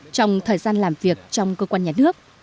trong thời gian làm việc trong cơ quan nhà nước